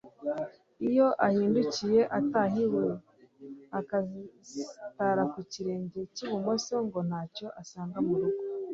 Iyo ahindukiye ataha iwe agasitara ku kirenge cy ‘ibumoso, ngo ntacyo asanga mu rugo,